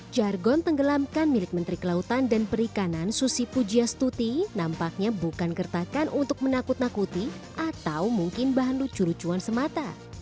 jargon tenggelamkan milik menteri kelautan dan perikanan susi pujiastuti nampaknya bukan gertakan untuk menakut nakuti atau mungkin bahan lucu lucuan semata